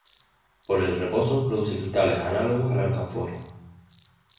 Por el reposo produce cristales análogos al alcanfor.